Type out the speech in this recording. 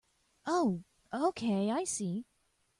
Oh okay, I see.